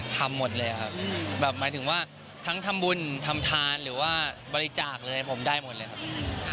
ทำหมดเลยครับแบบหมายถึงว่าทั้งทำบุญทำทานหรือว่าบริจาคเลยผมได้หมดเลยครับ